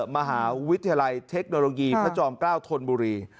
มหาวิทยาลัยเทคโนโลยีพระจอมเกล้าธนบุรี